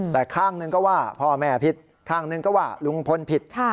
แต่ข้างหนึ่งก็ว่าพ่อแม่ผิดข้างหนึ่งก็ว่าลุงพลผิด